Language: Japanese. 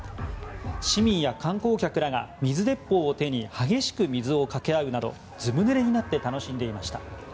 市民や観光客らが水鉄砲を手に激しく水をかけ合うなどずぶぬれになって楽しんでいました。